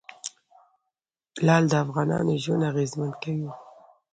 لعل د افغانانو ژوند اغېزمن کوي.